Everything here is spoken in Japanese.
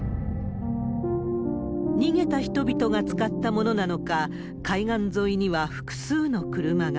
逃げた人々が使ったものなのか、海岸沿いには複数の車が。